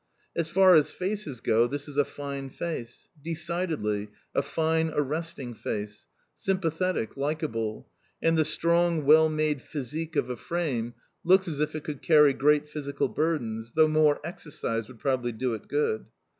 As far as faces go this is a fine face. Decidedly, a fine arresting face. Sympathetic, likeable. And the strong, well made physique of a frame looks as if it could carry great physical burdens, though more exercise would probably do it good.